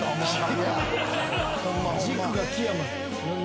軸が木山。